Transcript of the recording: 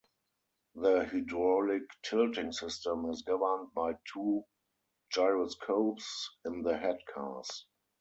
The hydraulic tilting system is governed by two gyroscopes in the head cars.